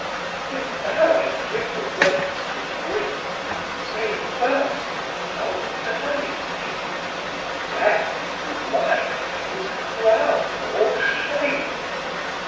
Yet e're I give the rains to grief, say first, How dy'd he? death to life is crown or shame.